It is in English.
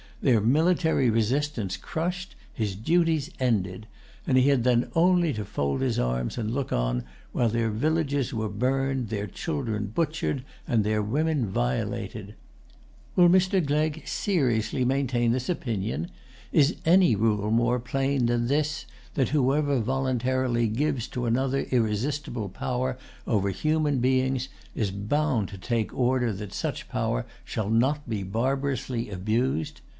Their military resistance crushed, his duties ended; and he had then only to fold his arms and look on, while their villages were burned, their children butchered, and their women violated. Will Mr. Gleig seriously maintain this opinion? Is any rule more plain than this, that whoever voluntarily gives to[Pg 143] another irresistible power over human beings is bound to take order that such power shall not be barbarously abused?